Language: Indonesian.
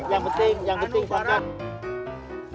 yang penting yang penting